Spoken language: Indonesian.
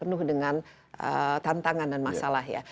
individu individu yang penuh dengan tantangan dan masalah ya